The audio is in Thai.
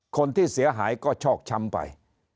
คนที่เสียหายก็ชอกช้ำไป